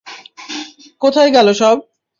কোথায় গেল সব?